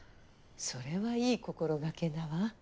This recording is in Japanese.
それはいい心掛けだわ。